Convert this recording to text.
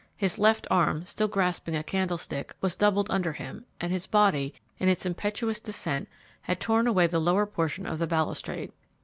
His left arm, still grasping a candlestick, was doubled under him, and his body, in its impetuous descent, had torn away the lower portion of the balustrade.